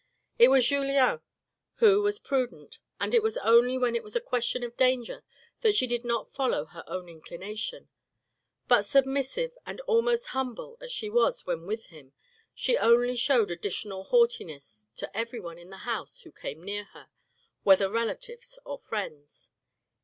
It was Julien who was prudent, and it was only when it was a question of danger that she did not follow her own inclination ; but submissive, and almost humble as she was when with him, she only showed additional haughtiness to everyone in the house who came near her, whether relatives or friends.